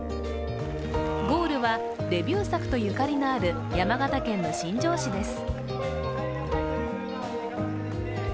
ゴールはデビュー作とゆかりのある山形県の新庄市です。